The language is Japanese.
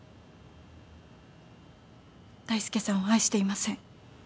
大介さんを愛していません。